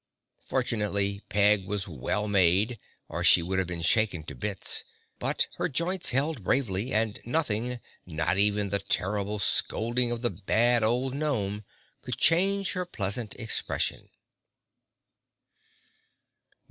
Fortunately, Peg was well made, or she would have been shaken to bits, but her joints held bravely, and nothing—not even the terrible scolding of the bad old gnome—could change her pleasant expression.